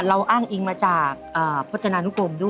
อ้างอิงมาจากพจนานุกรมด้วย